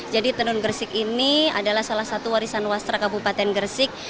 jadi tenun gresik ini adalah salah satu warisan wasra kabupaten gresik